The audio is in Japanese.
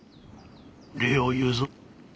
礼を言うぞ。